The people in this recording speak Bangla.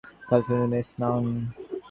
কাল সূর্যগ্রহণের স্নান।